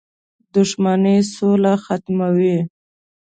• دښمني سوله ختموي.